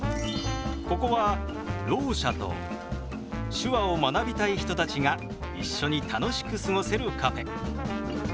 ここはろう者と手話を学びたい人たちが一緒に楽しく過ごせるカフェ。